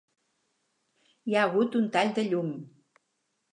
Hi ha hagut un tall de llum.